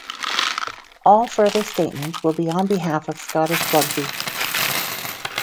All further statements will be on behalf of Scottish Rugby.